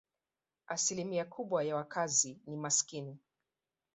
Asilimia kubwa ya wakazi ni maskini.